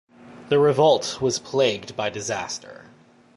The revolt was plagued by disaster.